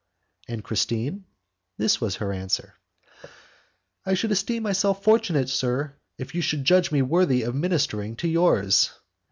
And Christine? This was her answer: "I should esteem myself fortunate, sir, if you should judge me worthy of ministering to yours."